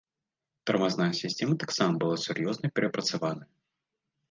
Тармазная сістэма таксама была сур'ёзна перапрацаваная.